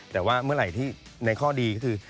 แต่ว่าเมื่อไหร่ที่ในข้อดีก็คือ